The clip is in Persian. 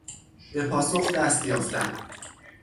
به پاسخ دستیافتن